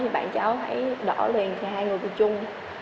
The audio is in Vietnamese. thì bạn cháu hãy đỡ liền thì hai người vô chung